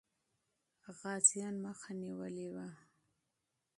غازيان مخه نیولې وه.